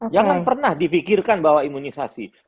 jangan pernah difikirkan bahwa imunisasi